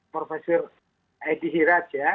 profesor edi hiraj ya